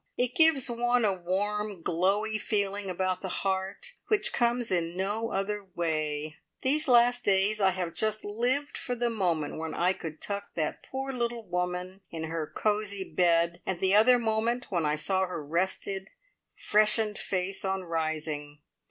It gives one a warm, glowey feeling about the heart which comes in no other way. These last days I have just lived for the moment when I could tuck that poor little woman in her cosy bed, and the other moment when I saw her rested, freshened face on rising.